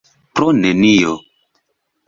Pro nenio.